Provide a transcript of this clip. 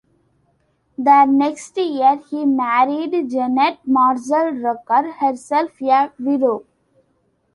The next year he married Janet Marshall Rucker, herself a widow.